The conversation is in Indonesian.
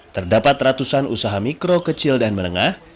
terdapat ratusan usaha mikro kecil dan menengah